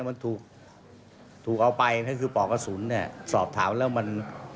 มันถูกถูกเอาไปนั่นคือปอกกระสุนเนี่ยสอบถามแล้วมัน